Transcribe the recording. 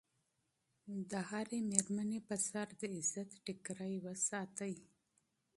د هرې مېرمنې په سر د عزت ټیکری وساتئ.